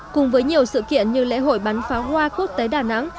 cùng với nhiều sự kiện như lễ hội bắn pháo hoa quốc tế đà nẵng